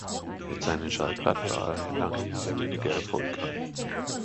Mit seinen Schallplatten war er lange Jahre weniger erfolgreich.